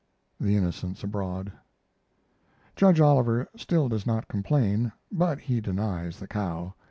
['The Innocents Abroad.'] Judge Oliver still does not complain; but he denies the cow.